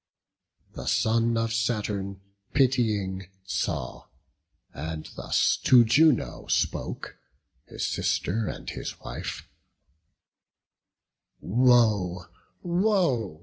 The son of Saturn pitying saw, and thus To Juno spoke, his sister and his wife: "Woe, woe!